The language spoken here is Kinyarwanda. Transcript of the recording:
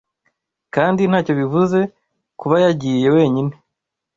Kandi ntacyo bivuze kubayagiye wenyine